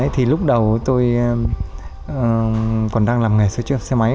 thì lúc đầu tôi còn đang làm nghề sửa chữa xe máy